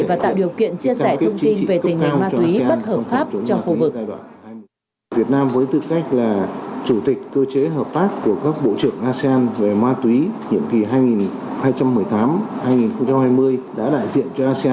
và tạo điều kiện chia sẻ thông tin về tình hình ma túy bất hợp pháp trong khu vực